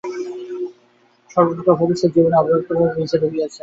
সর্বপ্রকার ভবিষ্যৎ জীবনই অব্যক্তভাবে বীজে রহিয়াছে।